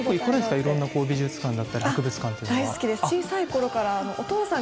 いろんな美術館だったり博物館っていうのは。